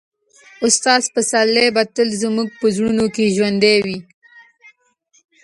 استاد پسرلی به تل زموږ په زړونو کې ژوندی وي.